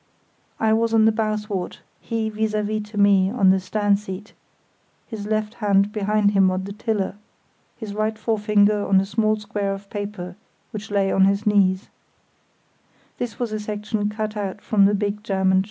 I was on the bow thwart; he vis à vis to me on the stern seat, his left hand behind him on the tiller, his right forefinger on a small square of paper which lay on his knees; this was a section cut out from the big German chart.